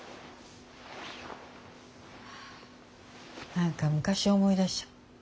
何か昔を思い出しちゃう。